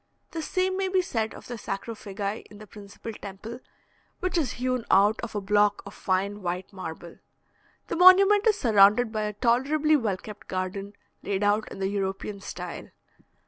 The same may be said of the sarcophagi in the principal temple, which is hewn out of a block of fine white marble. The monument is surrounded by a tolerably well kept garden, laid out in the European style.